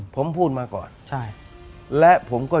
ผมพูดมาก่อน